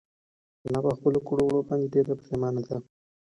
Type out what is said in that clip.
انا په خپلو کړو وړو باندې ډېره پښېمانه ده.